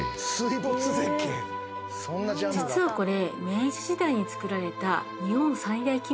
実はこれ。